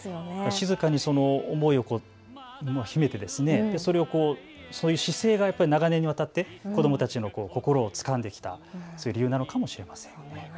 静かにその思いを秘めて、そういう姿勢が長年にわたって子どもたちの心をつかんできた、そういう理由なのかもしれませんね。